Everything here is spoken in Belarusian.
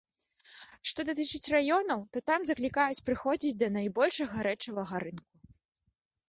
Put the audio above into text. Што датычыць раёнаў, то там заклікаюць прыходзіць да найбольшага рэчавага рынку.